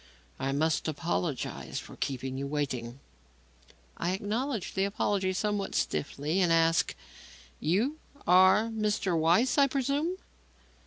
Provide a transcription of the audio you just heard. "I must apologize for keeping you waiting." I acknowledged the apology somewhat stiffly and asked: "You are Mr. Weiss, I presume?"